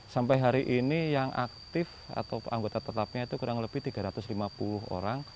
sampai hari ini yang aktif atau anggota tetapnya itu kurang lebih tiga ratus lima puluh orang